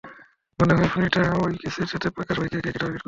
মনে হয় খুনীটা ঐ কেসের সাথে থাকা সবাইকে একে একে টার্গেট করেছে।